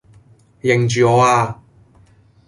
認住我呀!